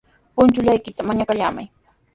Punchullaykita mañaykallamay.